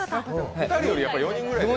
２人より４人ぐらいで。